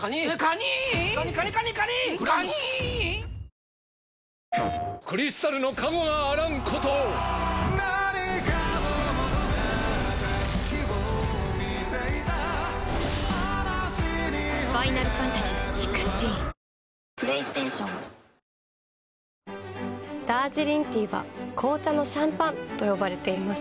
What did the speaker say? ＷＩＬＫＩＮＳＯＮダージリンティーは紅茶のシャンパンと呼ばれています。